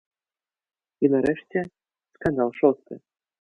І, нарэшце, скандал шосты.